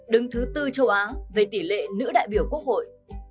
đứng thứ tư châu á về tỷ lệ nữ đại biểu quốc hội